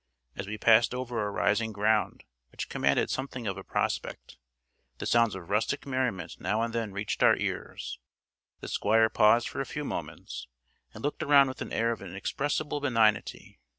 As we passed over a rising ground which commanded something of a prospect, the sounds of rustic merriment now and then reached our ears; the Squire paused for a few moments, and looked around with an air of inexpressible benignity.